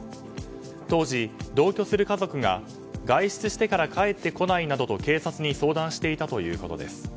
当時、同居する家族が外出してから帰ってこないなどと警察に相談していたということです。